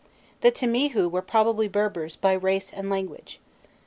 The Timihû were probably Berbers by race and language.